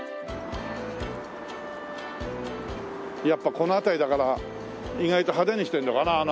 やっぱこの辺りだから意外と派手にしてるのかな？